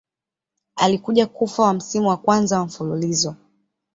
Alikuja kufa wa msimu wa kwanza wa mfululizo.